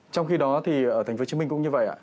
trong khi đó thì ở tp hcm cũng như vậy ạ